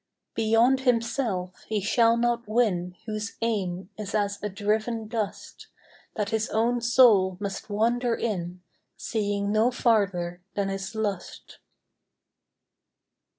Beyond himself he shall not win Whose aim is as a driven dust, That his own soul must wander in, Seeing no farther than his lust.